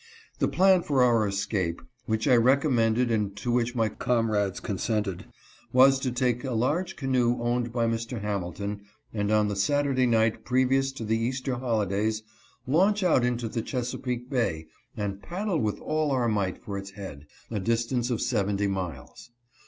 The plan for our escape, which I recommended and to which my comrades consented, was to take a large canoe owned by Mr. Hamilton, and on the Saturday night pre vious to the Easter holidays launch out into the Chesa peake bay and paddle with all our might for its head, a distance of seventy miles.